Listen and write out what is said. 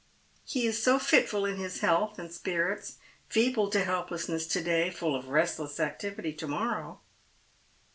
He is so fitful in his health and spirits, feeble to helplcNsness to day, full of restless activity to morrow.